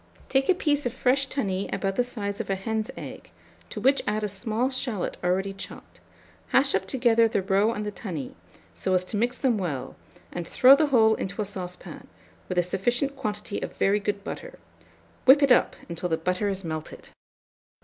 Take a piece of fresh tunny about the size of a hen's egg, to which add a small shalot already chopped; hash up together the roe and the tunny, so as to mix them well, and throw the whole into a saucepan, with a sufficient quantity of very good butter: whip it up until the butter is melted!